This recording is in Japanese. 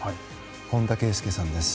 本田圭佑さんです。